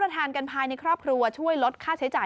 ทานกันภายในครอบครัวช่วยลดค่าใช้จ่าย